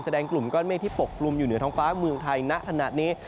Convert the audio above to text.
กลุ่มก้อนเมฆที่ปกลุ่มอยู่เหนือท้องฟ้าเมืองไทยณขณะนี้